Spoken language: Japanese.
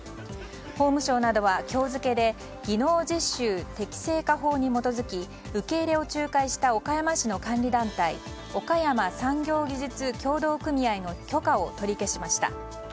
法務省などは今日付で技能実習適正化法に基づき受け入れを仲介した岡山市の監理団体岡山産業技術協同組合の許可を取り消しました。